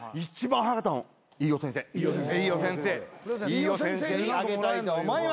飯尾先生にあげたいと思います。